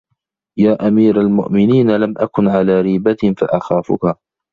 يَا أَمِيرَ الْمُؤْمِنِينَ لَمْ أَكُنْ عَلَى رِيبَةٍ فَأَخَافُك